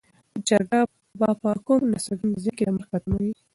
چرګه به په کوم ناڅرګند ځای کې د مرګ په تمه وي.